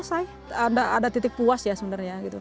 saya ada titik puas ya sebenarnya gitu